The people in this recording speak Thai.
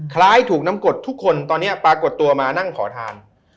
คล้ายถูกน้ำกดทุกคนตอนนี้ปรากฏตัวมานั่งขอทาน